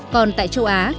còn tại châu á